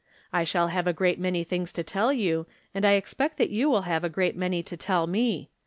I shall have a great many tilings to tell you, and I expect that you will have a great many to tell me.